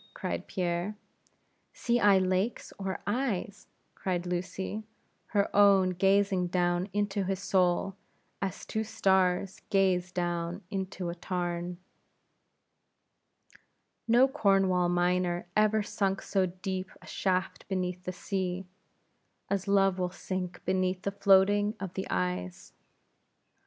cried Pierre. "See I lakes, or eyes?" cried Lucy, her own gazing down into his soul, as two stars gaze down into a tarn. No Cornwall miner ever sunk so deep a shaft beneath the sea, as Love will sink beneath the floatings of the eyes.